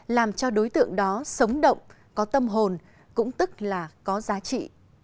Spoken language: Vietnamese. làm cho đối tượng đó sống động có tâm hồn cũng tức là có giá trị